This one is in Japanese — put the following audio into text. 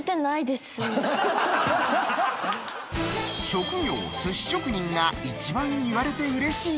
職業寿司職人が一番言われて嬉しい